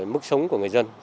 mức sống của người dân